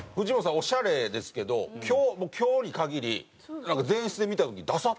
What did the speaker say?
オシャレですけど今日もう今日に限り前室で見た時ダサッ！！